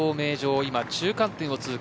今、中間点を通過。